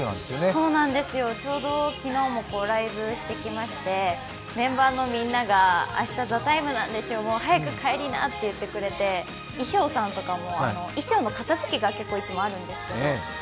そうなんです、ちょうど昨日もライブをしてきまして、メンバーのみんなが明日「ＴＨＥＴＩＭＥ，」なんでしょ、早く帰りなって言ってくれて、衣装さんとかも衣装の片づけがいつもあるんですけど、「ＴＨＥＴＩＭＥ，」